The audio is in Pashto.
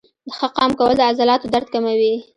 ښه قام کول د عضلاتو درد کموي.